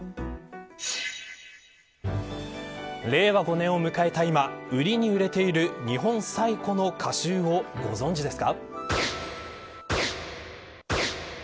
令和５年を迎えた今売りに売れている日本最古の歌集をご存じですか。